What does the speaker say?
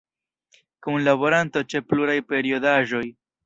Kunlaboranto ĉe pluraj periodaĵoj.